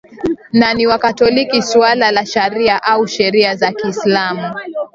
na ni Wakatoliki suala la sharia au sheria za Kiislamu